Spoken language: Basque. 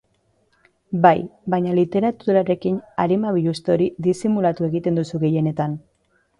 Bai, baina literaturarekin arima biluzte hori disimulatu egiten duzu gehienetan.